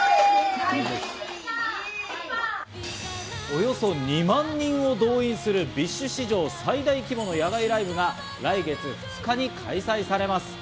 およそ２万人を動員する、ＢｉＳＨ史上最大規模の野外ライブが来月２日に開催されます。